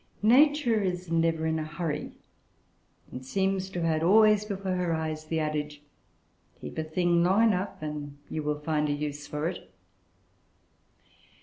Nature is never in a hurry, and seems to have had always before her eyes the adage, "Keep a thing long enough, and you will find a use for it."